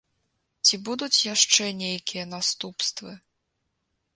Ці будуць яшчэ нейкія наступствы?